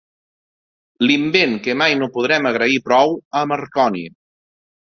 L'invent que mai no podrem agrair prou a Marconi.